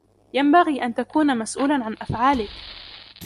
ينبغي أن تكون مسؤولًا عن أفعالك.